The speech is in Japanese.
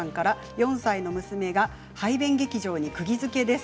４歳の娘がハイベン劇場にくぎづけです。